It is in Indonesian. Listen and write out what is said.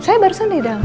saya barusan di dalam